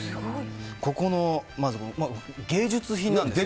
ここの、芸術品なんですよ。